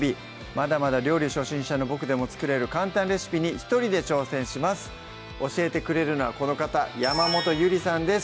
まだまだ料理初心者のボクでも作れる簡単レシピに一人で挑戦します教えてくれるのはこの方山本ゆりさんです